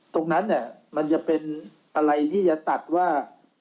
ตรงนั้นมันจะเป็นอะไรที่จะตัดว่า